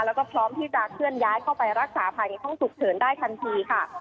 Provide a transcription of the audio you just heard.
แล้วก็พร้อมที่จะเคลื่อนย้ายเข้าไปรักษาภายในห้องฉุกเฉินได้ทันทีค่ะ